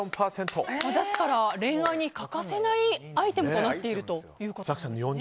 ですから、恋愛に欠かせないアイテムになっているんですね。